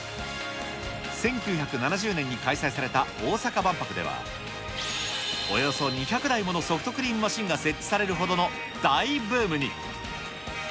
１９７０年に開催された大阪万博では、およそ２００台ものソフトクリームマシンが設置されるほどの大ブームに。